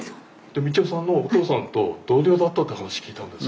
道代さんのお父さんと同僚だったって話聞いたんです。